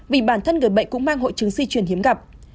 vì bản thân người bệnh cũng mang hội chứng di chuyển hiếm gặp